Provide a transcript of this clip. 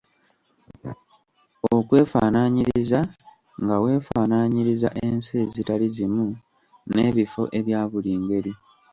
Okwefaanaanyiriza: Nga weefaanaanyiriza ensi ezitali zimu n'ebifo ebya buli ngeri.